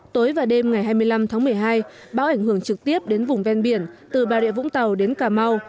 tối và đêm ngày hai mươi năm tháng một mươi hai bão ảnh hưởng trực tiếp đến vùng ven biển từ bà rịa vũng tàu đến cà mau